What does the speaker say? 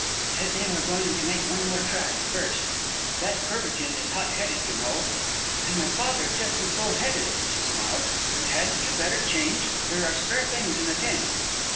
"Said they were going to make one more try, first. That Courbertin is hot headed, you know." "And my father just as bull headed," she smiled. "But hadn't you better change? There are spare things in the tent."